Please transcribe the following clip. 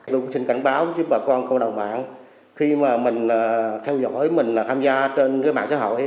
luôn xin cảnh báo giúp bà con cộng đồng mạng khi mà mình theo dõi mình tham gia trên mạng xã hội